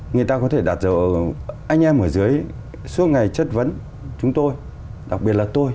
người ta có thể đặt dấu anh em ở dưới suốt ngày chất vấn chúng tôi đặc biệt là tôi